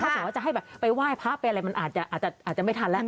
ถ้าสิว่าจะให้ไปไหว้พระอะไรมันอาจจะไม่ทันแล้ว